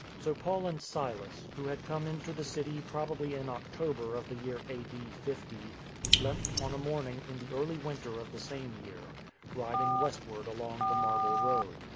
So Paul and Silas — who had come into the city probably in October of the year a.d. 50 — left on a morning in the early winter of the same year, riding westward along the marble road.